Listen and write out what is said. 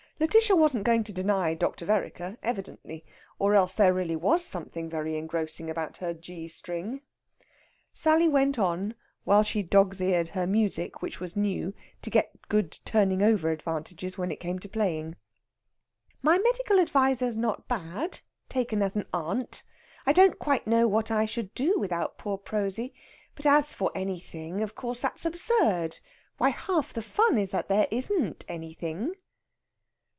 Lætitia wasn't going to deny Dr. Vereker, evidently, or else there really was something very engrossing about her G string. Sally went on, while she dog's eared her music, which was new, to get good turning over advantages when it came to playing. "My medical adviser's not bad, taken as an aunt. I don't quite know what I should do without poor Prosy. But as for anything, of course that's absurd. Why, half the fun is that there isn't anything!"